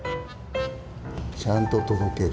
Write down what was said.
ちゃんと届ける。